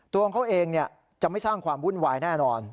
ตัวของเขาเองจะไม่สร้างความวุ่นวายแน่นอน